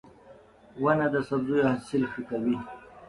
• ونه د سبزیو حاصل ښه کوي.